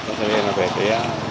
nên là về cái